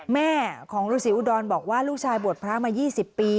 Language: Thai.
แม่ของฤษีอุดรบอกว่าลูกชายบวชพระมา๒๐ปี